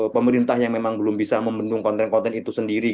pemerintah yang memang belum bisa membendung konten konten itu sendiri